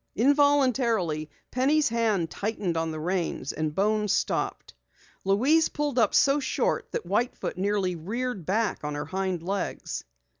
Involuntarily, Penny's hand tightened on the reins and Bones stopped. Louise pulled up so short that White Foot nearly reared back on her hind legs.